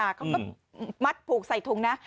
เขาก็มัดผูกใส่ถุงนะ